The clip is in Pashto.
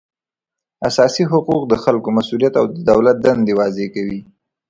اساسي حقوق د خلکو مسولیت او د دولت دندې واضح کوي